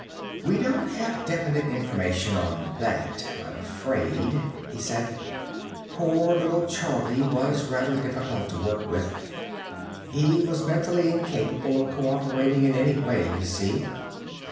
"We don't have definite information on that, I'm afraid," he said. "Poor little Charlie was rather difficult to work with. He was mentally incapable of co operating in any way, you see."